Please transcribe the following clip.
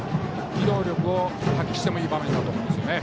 機動力を発揮してもいい場面だと思います。